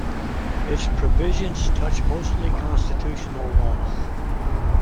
Its provisions touch mostly constitutional law.